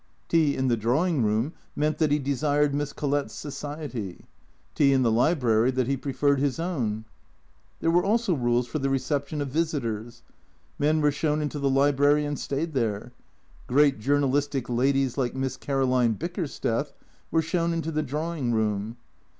Tea in the drawing room meant that he desired Miss Collett's society; tea in the library that he preferred his own. There were also rules for the reception of visitors. Men were shown into the library and stayed there. Great journalistic ladies like Miss Caroline Bickersteth were shown into the draw ing room.